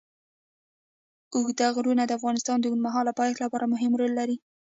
اوږده غرونه د افغانستان د اوږدمهاله پایښت لپاره مهم رول لري.